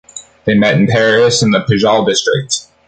They meet in Paris, in the Pigalle district.